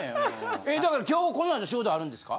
だから今日この後仕事あるんですか？